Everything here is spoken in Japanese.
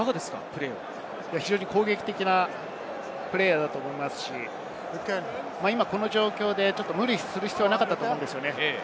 攻撃的なプレーヤーだと思いますし、この状況で無理する必要はなかったと思うんです。